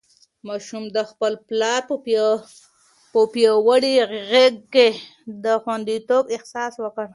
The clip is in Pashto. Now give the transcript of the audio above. ماشوم د خپل پلار په پیاوړې غېږ کې د خونديتوب احساس وکړ.